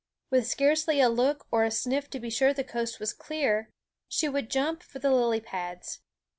With scarcely a look or a sniff to be sure the coast was clear, she would jump for the lily pads.